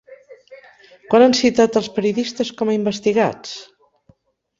Quan han citat als periodistes com a investigats?